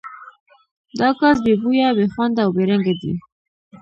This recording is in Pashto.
دا ګاز بې بویه، بې خونده او بې رنګه دی.